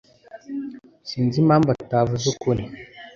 Sinzi impamvu utavuze ukuri.